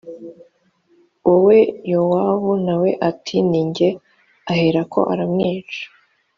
wowe yowabu na we ati ni jye aherako aramwica